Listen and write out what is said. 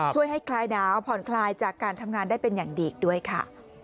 ช่วยให้คลายหนาวผ่อนคลายจากการทำงานได้เป็นอย่างดีอีกด้วยค่ะ